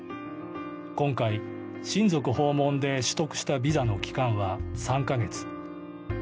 今回、親族訪問で取得したビザの期間は３か月。